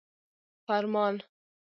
فرمان